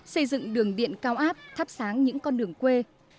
xây dựng đường điện cao áp thắp sáng những con đường quê